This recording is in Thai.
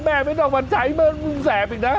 แม่ไม่ต้องมาใช้เมื่อแสบอีกนะ